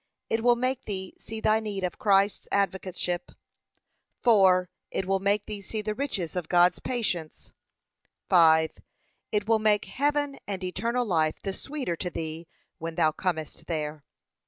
It will make thee see thy need of Christ's advocateship. 4. It will make thee see the riches of God's patience. 5. And it will make heaven and eternal life the sweeter to thee when thou comest there.